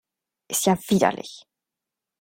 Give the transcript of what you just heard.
Ist ja widerlich!